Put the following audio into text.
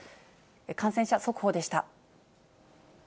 感染者速報でした。